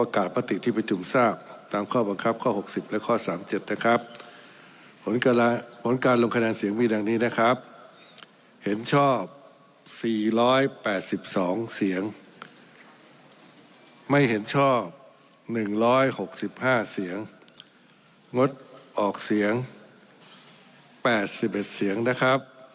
ค่ะอีกสักครู่หนึ่งนะคะเดี๋ยวจะได้ประกาศผลค่ะ